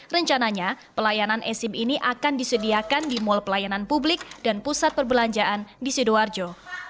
rencananya pelayanan esim ini akan disediakan di mall pelayanan publik dan pusat perbelanjaan di sidoarjo